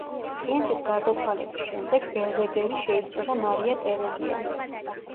პრინცის გარდაცვალების შემდეგ ბელვედერი შეისყიდა მარია ტერეზიამ.